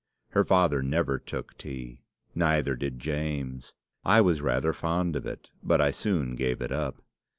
Her father never took tea; neither did James. I was rather fond of it, but I soon gave it up.